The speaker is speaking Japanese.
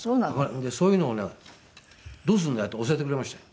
でそういうのをねどうすんだよって教えてくれましたよ。